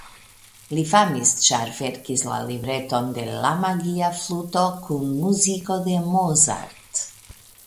Li famis ĉar verkis la libreton de La magia fluto kun muziko de Mozart.